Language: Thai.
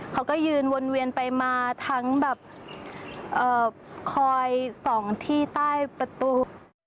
เขาก็ยืนวนเวียนไปมาทั้งแบบคอยส่องที่ใต้ประตู